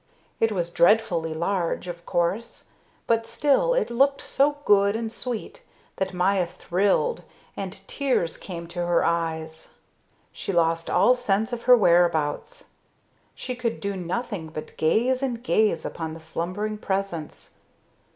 It was dreadfully large, of course, but still it looked so good and sweet that Maya thrilled, and tears came to her eyes. She lost all sense of her whereabouts; she could do nothing but gaze and gaze upon the slumbering presence.